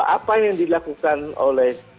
apa yang dilakukan oleh